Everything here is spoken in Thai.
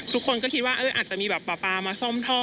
ทุกคนก็คิดว่าอาจจะมีแบบปลาปลามาซ่อมท่อ